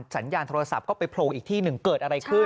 สัญญาณโทรศัพท์ก็ไปโผล่อีกที่หนึ่งเกิดอะไรขึ้น